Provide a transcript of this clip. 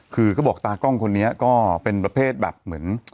คือเขาบอกตากล้องคนนี้ก็เป็นประเภทแบบเหมือน